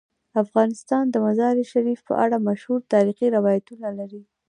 افغانستان د مزارشریف په اړه مشهور تاریخی روایتونه لري.